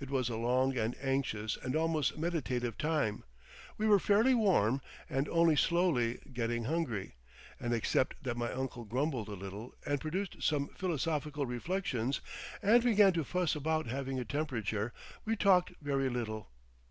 It was a long and anxious and almost meditative time; we were fairly warm, and only slowly getting hungry, and except that my uncle grumbled a little and produced some philosophical reflections, and began to fuss about having a temperature, we talked very little.